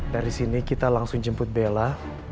dari sini kita langsung jemput bella